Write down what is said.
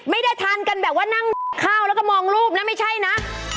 ไม่ได้ทานกันแบบว่านั่งข้าวแล้วก็มองรูปนะไม่ใช่นะ